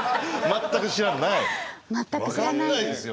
全く知らないです。